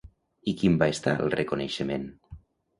I quin va estar el reconeixement?